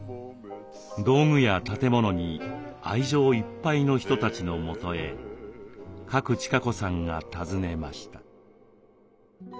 道具や建物に愛情いっぱいの人たちの元へ賀来千香子さんが訪ねました。